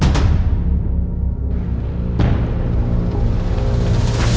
หนึ่งสัน